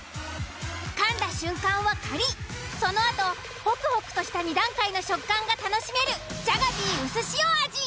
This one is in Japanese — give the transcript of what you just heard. かんだ瞬間はカリッそのあとホクホクとした２段階の食感が楽しめるＪａｇａｂｅｅうすしお味。